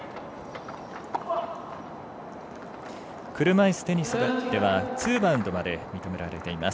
車いすテニスではツーバウンドまで認められています。